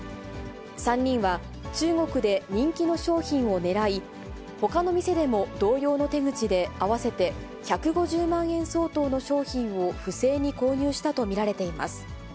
３人は、中国で人気の商品を狙い、ほかの店でも同様の手口で、合わせて１５０万円相当の商品を不正に購入したと見られています。